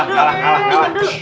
eh eh kalah kalah kalah